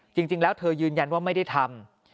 จริงแล้วเธอยืนยันว่าไม่ได้ทำ